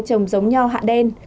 trồng giống nho hạ đen